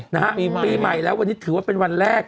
นะฮะปีใหม่แล้ววันนี้ถือว่าเป็นวันแรก